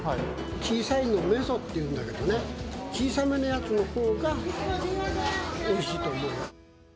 小さいのを、メソっていうんだけどね、小さめのやつのほうがおいしいと思うよ。